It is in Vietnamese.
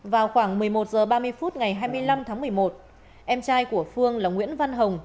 vào khoảng một mươi một h ba mươi phút ngày hai mươi năm tháng một mươi một em trai của phương là nguyễn văn hồng